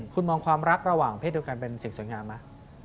คุณมองความรักระหว่างเพศเดียวกันเป็นสิ่งสวยงามไหม